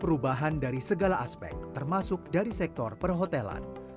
perubahan ini menjadi momentum bagi industri perhotelan